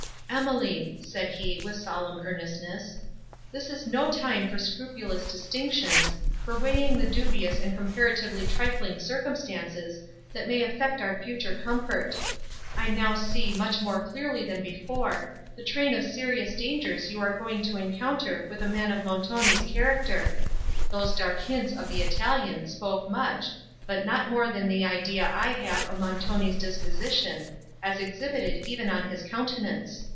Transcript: "Emily!" said he, with solemn earnestness, "this is no time for scrupulous distinctions, for weighing the dubious and comparatively trifling circumstances, that may affect our future comfort. I now see, much more clearly than before, the train of serious dangers you are going to encounter with a man of Montoni's character. Those dark hints of the Italian spoke much, but not more than the idea I have of Montoni's disposition, as exhibited even in his countenance.